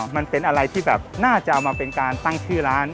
มันเป็นอะไรที่แบบน่าจะเอามาเป็นการตั้งชื่อร้าน